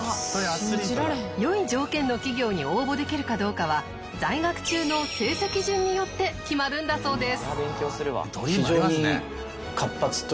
よい条件の企業に応募できるかどうかは在学中の成績順によって決まるんだそうです。